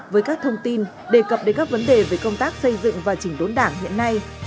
với các thông tin đề cập đến các vấn đề về công tác xây dựng và chỉnh đốn đảng hiện nay